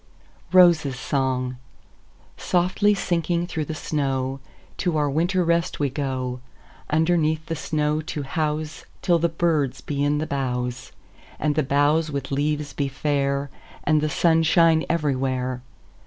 ROSES' SONG"SOFTLY sinking through the snow, To our winter rest we go, Underneath the snow to houseTill the birds be in the boughs, And the boughs with leaves be fair, And the sun shine everywhere.